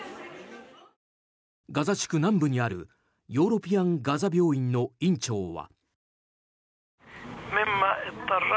ガザ地区南部にあるヨーロピアン・ガザ病院の院長は。